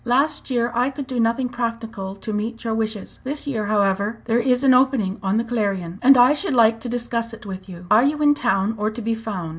Last year I could do nothing practical to meet your wishes. This year, however, there is an opening on the Clarion, and I should like to discuss it with you. Are you in town or to be found?